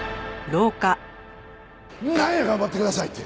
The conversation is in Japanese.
なんや「頑張ってください」って！